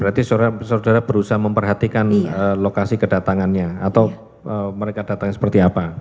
berarti saudara berusaha memperhatikan lokasi kedatangannya atau mereka datangnya seperti apa